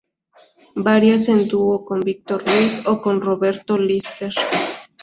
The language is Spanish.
Varias en dúo con Víctor Ruiz o con Roberto Lister.